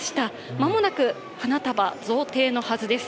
まもなく、花束贈呈のはずです。